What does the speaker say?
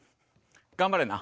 頑張れな。